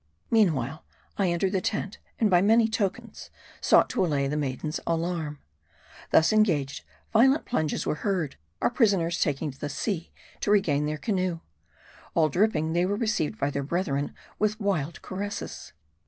Meanwhile, I entered the tent, and by many tokens, sought to allay the maiden's alarm. Thus engaged, vio lent plunges were heard : our prisoners taking to the sea to regain their canoe. All dripping, they were received by their brethren with wild caresses.